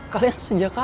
kalian sejak kapan